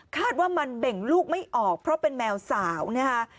คาดว่ามันเบ่งลูกไม่ออกเพราะเป็นแมวสาวนะคะ